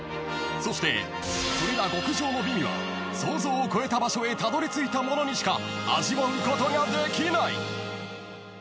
［そしてそれら極上の美味は想像を超えた場所へたどりついた者にしか味わうことができない］